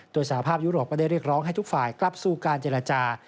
โดยสหภาพยุโรปก็ได้เรียกร้องให้ทุกฝ่ายกลับสู่การเจรจา